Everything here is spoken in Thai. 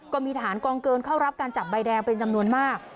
ก็มีทหารกองเกินเข้ารับการจับใบแดงเป็นจำนวนมาก